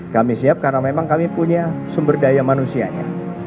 kami siap karena memang kami punya sumber daya manusianya